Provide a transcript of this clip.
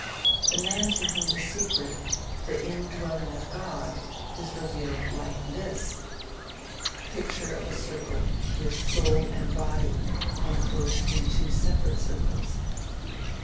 The man to whom the secret (the indwelling of God) is revealed is like this: [picture of a circle with soul and body enclosed in two separate circles].